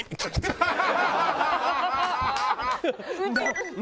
ハハハハ！